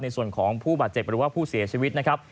ในส่วนของผู้บาดเจ็บหรือว่าผู้เสียชีวิตนะครับ